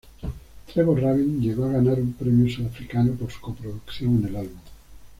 Trevor Rabin llegó ganar un premio sudafricano por su co-producción en el álbum.